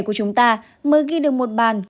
của chúng ta mới ghi được một bàn